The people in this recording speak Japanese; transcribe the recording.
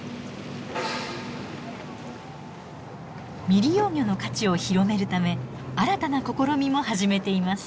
未利用魚の価値を広めるため新たな試みも始めています。